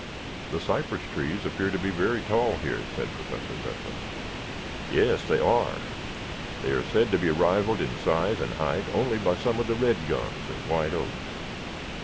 "The cypress trees appear to be very tall here," said Professor Zepplin. "Yes, they are. They are said to be rivaled in size and height only by some of the red gums and white oaks.